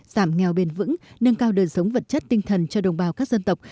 giảm nghèo bền vững nâng cao đời sống vật chất tinh thần cho đồng bào các dân tộc